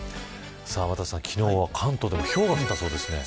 天達さん、昨日は関東でもひょうが降ったそうですね。